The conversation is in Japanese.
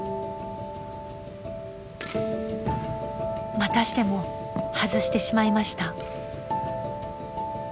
またしても外してしまいました。